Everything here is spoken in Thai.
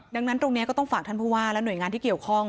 ดังนั้นตรงนี้ก็ต้องฝากท่านผู้ว่าและหน่วยงานที่เกี่ยวข้อง